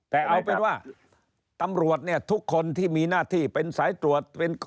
แต่เอาเป็นว่าตำรวจเนี่ยทุกคนที่มีหน้าที่เป็นสายตรวจ